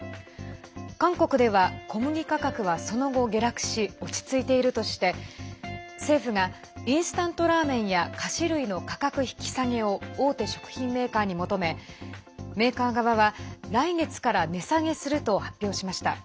韓国では小麦価格はその後、下落し落ち着いているとして政府がインスタントラーメンや菓子類の価格引き下げを大手食品メーカーに求めメーカー側は来月から値下げすると発表しました。